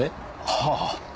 はあ。